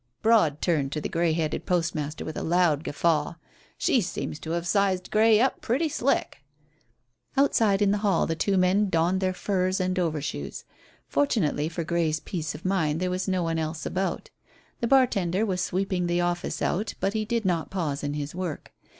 Broad turned to the grey headed postmaster with a loud guffaw. "She seems to have sized Grey up pretty slick." Outside in the hall the two men donned their furs and over shoes. Fortunately for Grey's peace of mind there was no one else about. The bar tender was sweeping the office out, but he did not pause in his work.